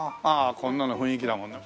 こんなの雰囲気だもんね。